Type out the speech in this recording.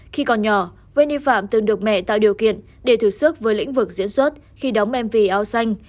khi còn nhỏ wendy phạm từng được mẹ tạo điều kiện để thực sức với lĩnh vực diễn xuất khi đóng mv ao xanh